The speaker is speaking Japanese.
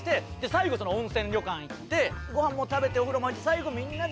最後温泉旅館行ってご飯も食べてお風呂も入って最後みんなで。